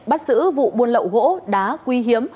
bắt xử vụ buôn lậu gỗ đá quy hiếm